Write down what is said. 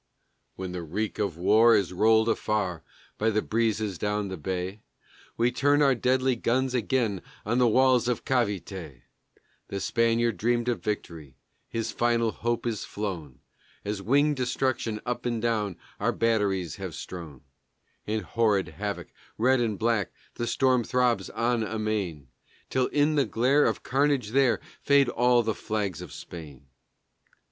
When the reek of war is rolled afar by the breezes down the bay We turn our deadly guns again on the walls of Cavité. The Spaniard dreamed of victory his final hope is flown As winged destruction up and down our batteries have strown In horrid havoc, red and black, the storm throbs on amain Till in the glare of carnage there fade all the flags of Spain.